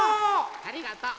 ありがとう。